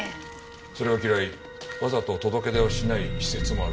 それを嫌いわざと届け出をしない施設もあるそうですが。